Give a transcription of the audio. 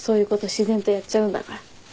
自然とやっちゃうんだから。